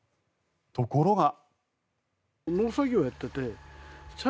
ところが。